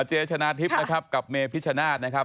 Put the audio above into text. เจชนะทิพย์นะครับกับเมพิชชนาธิ์นะครับ